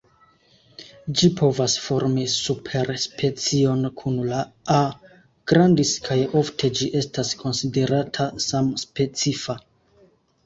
Ĝi povas formi superspecion kun la "A. grandis" kaj ofte ĝi estas konsiderata samspecifa.